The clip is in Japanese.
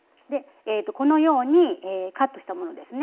このようにカットしたものですね。